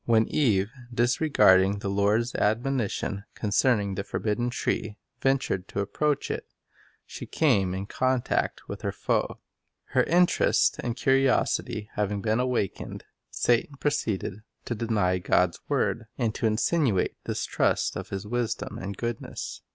When Eve, disregarding the Lord's admonition concerning the forbidden tree, ventured to approach it, she came in contact with her foe. Her insinuation interest and curiosity having been awakened, Satan pro ot Distrust _... ceeded to deny God s word, and to insinuate distrust of His wisdom and goodness.